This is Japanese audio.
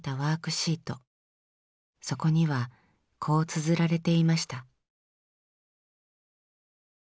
そこにはこうつづられていました。